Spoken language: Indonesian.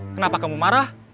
kenapa kamu marah